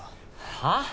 はあ？